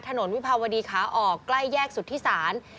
ถนนวิภาวดีค่ะออกใกล้แยกสุทธิศาสตร์